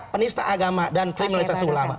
penista agama dan kriminalisasi ulama